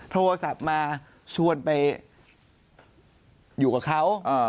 โทรศัพท์มาชวนไปอยู่กับเขา